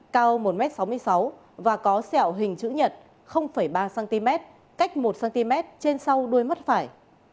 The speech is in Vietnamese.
cao một m sáu mươi sáu và có sẹo hình chữ nhật ba cm cách một cm trên sau đuôi mắt phải